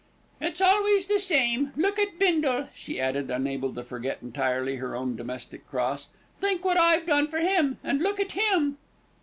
"It's always the same. Look at Bindle," she added, unable to forget entirely her own domestic cross. "Think what I've done for him, and look at him."